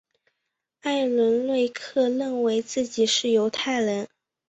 艾伦瑞克认为自己是犹太人。